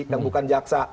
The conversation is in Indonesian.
yang bukan jaksa